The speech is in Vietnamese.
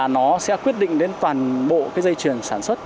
nó sẽ quyết định đến toàn bộ dây chuyền sản xuất